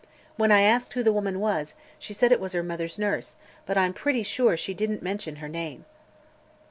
When I asked who the woman was, she said it was her mother's nurse; but I'm pretty sure she didn't mention her name."